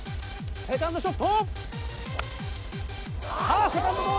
セカンドショット！